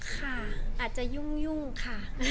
ค่ะอาจจะยุ่งค่ะ